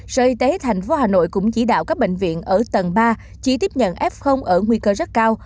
sở y tế tp hà nội cũng chỉ đạo các bệnh viện ở tầng ba chỉ tiếp nhận f ở nguy cơ rất cao